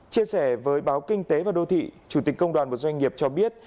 chia sẻ với báo kinh tế và đô thị chủ tịch công đoàn một doanh nghiệp cho biết